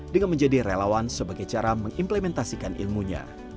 dengan menjadi relawan sebagai cara mengimplementasikan ilmunya